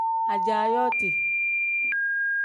Ajaa yooti.